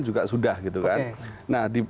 juga sudah gitu kan nah di